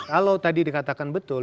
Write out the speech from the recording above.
kalau tadi dikatakan betul